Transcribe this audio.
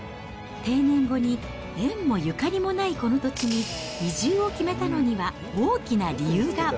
定年後に縁もゆかりもないこの土地に移住を決めたのには大きな理由が。